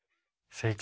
正解！